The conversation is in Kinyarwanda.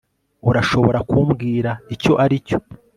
urashobora kumbwira icyo aricyo